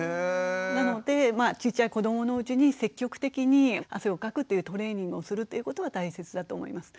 なのでちっちゃい子どものうちに積極的に汗をかくっていうトレーニングをするっていうことは大切だと思います。